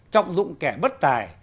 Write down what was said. trọng dụng kẻ bất tài